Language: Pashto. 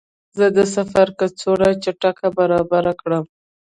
زه د سفر کڅوړه چټکه برابره کړم.